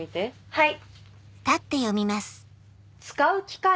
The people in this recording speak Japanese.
はい。